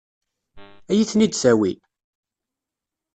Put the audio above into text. Ad iyi-ten-id-tawi?